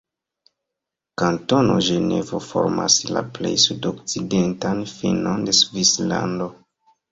Kantono Ĝenevo formas la plej sudokcidentan finon de Svislando.